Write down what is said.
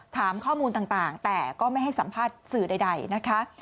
ถามข้อมูลต่างแต่ก็ไม่ให้สัมภาษณ์สื่อใดนะคะ